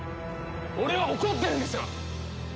俺は怒ってるんですよ！